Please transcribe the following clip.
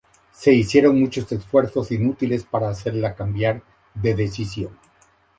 Se hicieron muchos esfuerzos inútiles para hacerla cambiar de decisión.